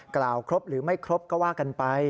กล่าวครบหรือไม่ครบก็ว่ากันไป